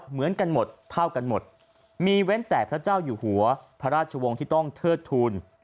เหมือนกันหมดเท่ากันหมดมีเว้นแต่พระเจ้าอยู่หัวพระราชวงศ์ที่ต้องเทิดทูล